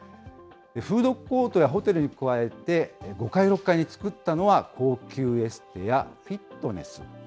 フードコートやホテルに加えて、５階、６階に作ったのは高級エステやフィットネス。